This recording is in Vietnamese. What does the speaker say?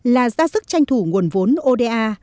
là ra sức tranh thủ nguồn vốn ô đa